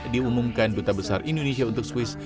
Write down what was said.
diumumkan duta besar indonesia untuk swiss